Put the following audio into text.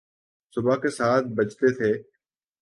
صبح کے سات بجتے تھے۔